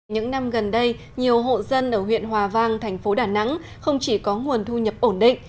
những năm gần đây nhiều hộ dân ở huyện hòa vang thành phố đà nẵng không chỉ có nguồn thu nhập ổn định